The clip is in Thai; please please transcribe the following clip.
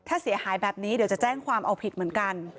ถ้าเสียหายแบบนี้เดี๋ยวจะแจ้งความเอาผิดเหมือนกัน